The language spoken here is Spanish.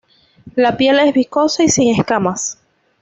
La piel es viscosa y sin escamas.